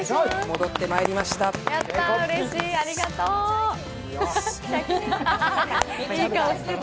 戻ってまいりました。